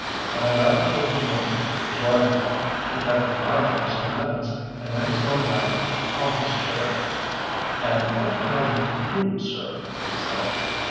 When I got into his room, he was writing. He kept on writing for some minutes, and then he swung round on his chair. "'And what can I do for you, sir?' he said.